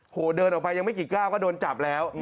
เดินออกไปยังไม่กี่ก้าวก็โดนจับแล้ว